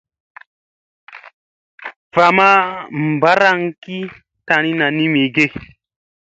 Va ma mbaaraŋ ki tanina ni mige.